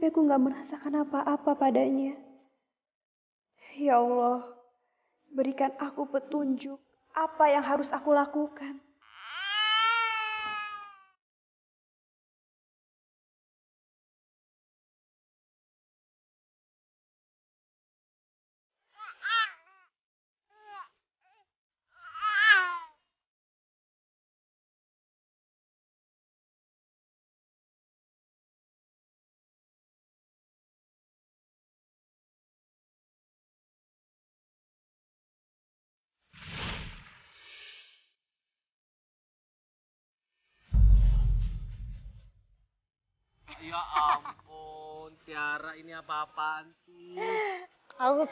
ya ampun tiara ini apa apaan sih aku pengen aja ngeliat kamu kayak badut